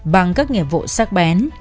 bằng các nghiệp vụ sắc bén